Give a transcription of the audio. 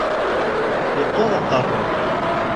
Yeqqur uqerru-k!